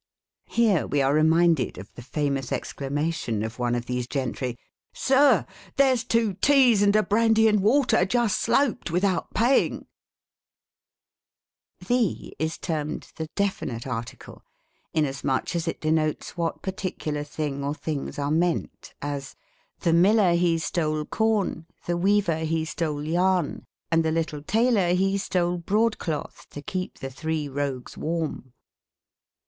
Here we are reminded of the famous excla mation of one of these gentry :— "Sir ! there's two teas and a brandy and water just sloped without paying !" The is termed the definite article, inasmuch as it de notes what particular thing or things are meant as, " The miller he stole corn. The weaver he stole yarn, And the little tailor he stole broad cloth To keep the three rogues warm."